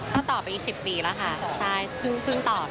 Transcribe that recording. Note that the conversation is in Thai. ก็ต่อไปอีก๑๐ปีแล้วค่ะใช่พึ่งต่อเลยค่ะ